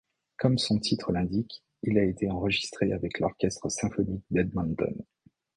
Comme son titre l'indique, il a été enregistré avec l'Orchestre symphonique d'Edmonton.